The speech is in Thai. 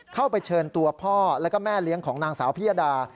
เข้าไปเชิญตัวพ่อแล้วก็แม่เลี้ยงของนางสาวพิยดา